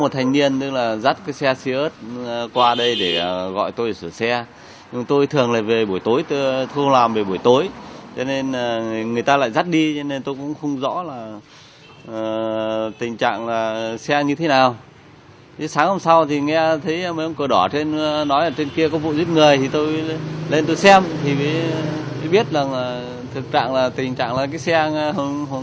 thành niên dắt chiếc xe máy yamaha không nổ được máy đi về hướng tp thái bình